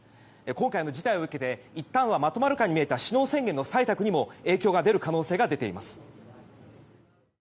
今回の事態を受けていったんはまとまるかに見えた首脳宣言の採択にも影響が出る可能性が出ています。